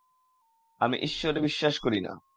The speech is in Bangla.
আমি ঈশ্বরে বিশ্বাস করি না।